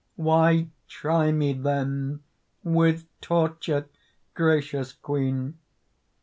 Why try me, then, with torture, gracious Queen?